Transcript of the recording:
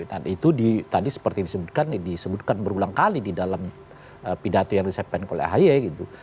dan itu tadi seperti disebutkan disebutkan berulang kali di dalam pidato yang disiapkan oleh ahy gitu